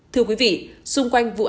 thưa quý vị xung quanh vụ án